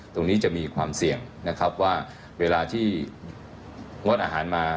ตรงนี้จะมีความเสี่ยงนะครับว่าเวลาที่งดอาหารมา